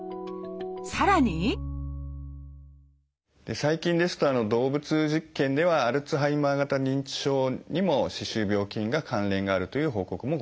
さらに最近ですと動物実験ではアルツハイマー型認知症にも歯周病菌が関連があるという報告もございます。